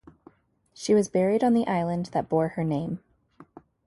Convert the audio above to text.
She was buried on the island that bore her name.